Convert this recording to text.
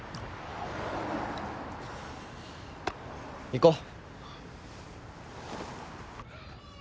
行こう。